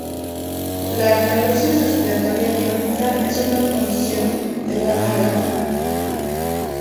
La alcalosis respiratoria crónica es una condición de larga data.